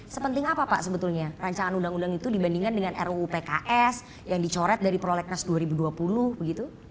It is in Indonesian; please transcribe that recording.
sepenting apa pak sebetulnya rancangan undang undang itu dibandingkan dengan ruu pks yang dicoret dari prolegnas dua ribu dua puluh begitu